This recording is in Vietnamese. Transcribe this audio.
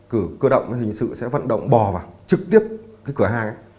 cử cơ động hình sự sẽ vận động bò vào trực tiếp cái cửa hàng ấy